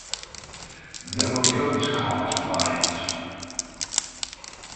There were goat cart rides.